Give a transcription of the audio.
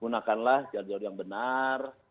gunakanlah jadwal jadwal yang benar